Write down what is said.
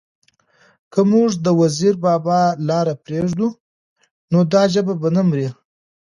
که موږ د وزیر بابا لاره پرېږدو؛ نو دا ژبه به نه مري،